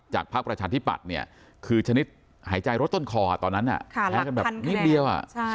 พักประชาธิปัตย์เนี่ยคือชนิดหายใจรถต้นคอตอนนั้นแพ้กันแบบนิดเดียว